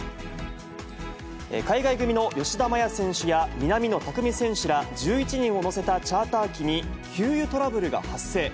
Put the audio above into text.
海外組の吉田麻也選手や南野拓実選手ら１１人を乗せたチャーター機に給油トラブルが発生。